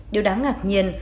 điều đáng ngạc nhiên